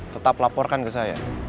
tetap laporkan ke saya